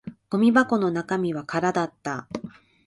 ゴミ箱の中身は空だった